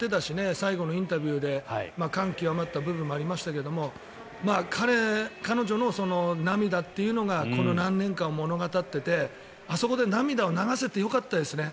最後のインタビューで感極まったところもありましたが彼女の涙というのがこの何年間かを物語っていてあそこで涙を流せてよかったですね。